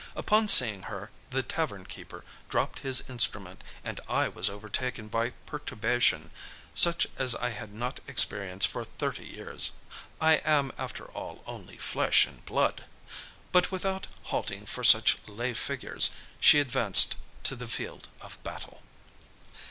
Upon seeing her the tavern keeper dropped his instrument, and I was overtaken by perturbation such as I had not experienced for thirty years (I am, after all, only flesh and blood); but, without halting for such lay figures, she advanced to the field of battle.